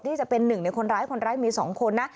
นี่จะเป็นหนึ่งในคนร้ายคนร้ายมี๒คนนะ